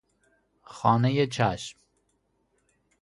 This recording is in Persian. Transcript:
خانۀ چشم